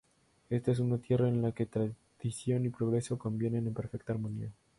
Esta es una tierra en la que tradición y progreso conviven en perfecta armonía.